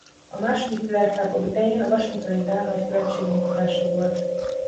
A második világháború idején a washingtoni dán nagykövetség munkatársa volt.